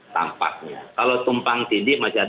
tampaknya kalau tumpang tindih masih ada